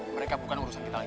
mereka bukan urusan kita lagi